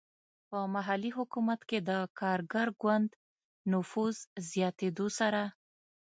په محلي حکومت کې د کارګر ګوند نفوذ زیاتېدو سره.